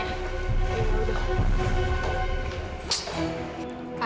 iya gue duluan